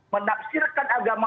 menafsirkan agama orang lain